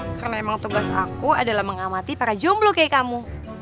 karena emang tugas aku adalah mengamati para jomblo kayak kamu